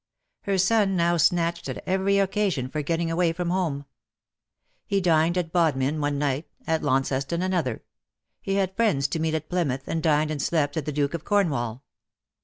Her son now snatched at every occasion for getting away from home. He dined at Bodmin one night — at Launceston, another. He had friends to meet at Plymouth, and dined and slept at the " Duke of Cornwall.